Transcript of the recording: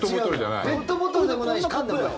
ペットボトルでもないし缶でもない。